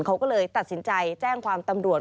เขาก็เลยตัดสินใจแจ้งความตำรวจ